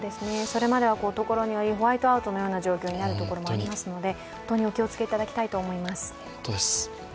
それまでは所よりホワイトアウトのような状況になるところもありますので、本当にお気をつけいただきたいと思います。